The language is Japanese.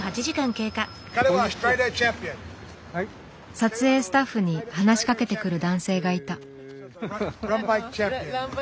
撮影スタッフに話しかけてくる男性がいた。